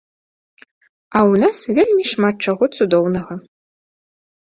А ў нас вельмі шмат чаго цудоўнага.